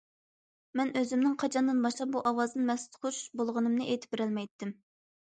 مەن ئۆزۈمنىڭ قاچاندىن باشلاپ بۇ ئاۋازدىن مەستخۇش بولغىنىمنى ئېيتىپ بېرەلمەيتتىم.